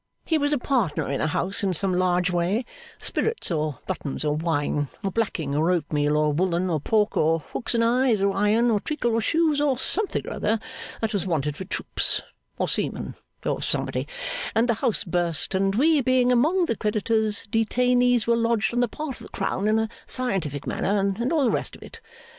He was a partner in a house in some large way spirits, or buttons, or wine, or blacking, or oatmeal, or woollen, or pork, or hooks and eyes, or iron, or treacle, or shoes, or something or other that was wanted for troops, or seamen, or somebody and the house burst, and we being among the creditors, detainees were lodged on the part of the Crown in a scientific manner, and all the rest of it.